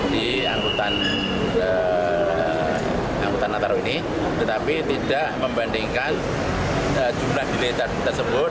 di antara anggota nataro ini tetapi tidak membandingkan jumlah delay tersebut